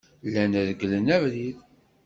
Llan regglen abrid.